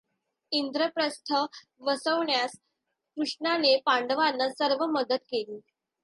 इंद्रप्रस्थ वसवण्यास कृष्णाने पांडवांना सर्व मदत केली.